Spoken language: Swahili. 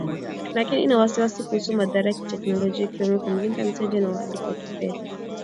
Lakini ina wasiwasi kuhusu madhara ya kiteknolojia ikiwemo kumlinda mteja, na uhalifu wa kifedha.